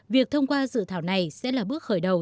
việc thông qua dự thảo này sẽ là bước khởi đầu